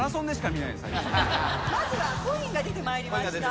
「まずはコインが出てまいりました」